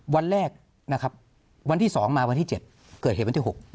วันแรกนะครับวันที่๒มาวันที่๗เกิดเหตุวันที่๖